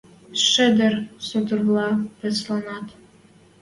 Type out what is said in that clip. Шӹдӹр сотывлӓ пӹслӓнӓт